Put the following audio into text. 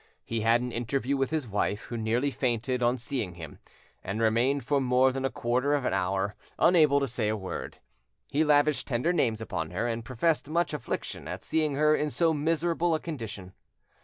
He had an interview with his wife, who nearly fainted on seeing him, and remained for more than a quarter of an hour unable to say a word. He lavished tender names upon her, and professed much affliction at seeing her in so miserable a condition.